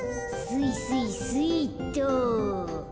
スイスイスイっと。